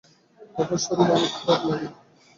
তখন শরীর অনেক খারাপ লাগে।